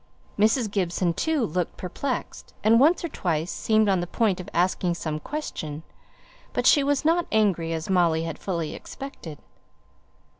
Mrs. Gibson, too, looked perplexed, and once or twice seemed on the point of asking some question; but she was not angry as Molly had fully expected.